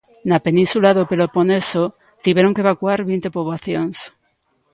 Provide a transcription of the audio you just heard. Na península do Peloponeso, tiveron que evacuar vinte poboacións.